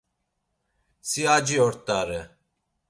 Si aci ort̆are.